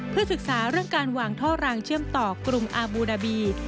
เพื่อศึกษาเรื่องการวางท่อรางเชื่อมต่อกรุงอาบูดาบี